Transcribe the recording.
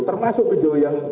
termasuk video yang